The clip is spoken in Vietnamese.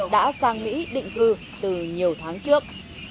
đã sang mỹ định cư từ nhiều tháng trước